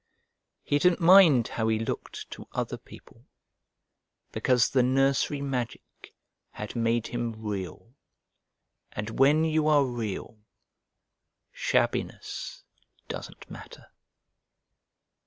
He didn't mind how he looked to other people, because the nursery magic had made him Real, and when you are Real shabbiness doesn't matter.